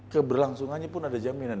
keberlangsungannya pun ada jaminan